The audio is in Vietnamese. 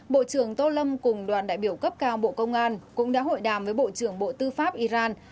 bộ trưởng tô lâm cùng đoàn đại biểu cấp cao bộ công an cũng đã hội đàm với bộ trưởng bộ tư pháp iran